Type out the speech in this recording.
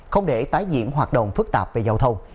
không để tái diễn hoạt động phức tạp về giao thông